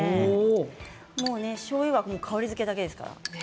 しょうゆは香りづけだけですから。